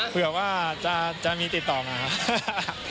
เผื่อว่าจะมีติดต่อมาครับ